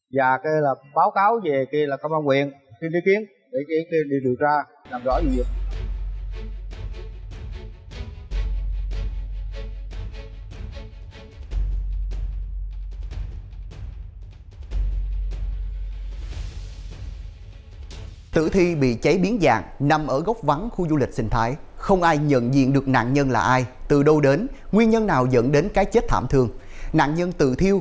và báo cáo về công an quyền xin điều kiến để điều tra làm rõ gì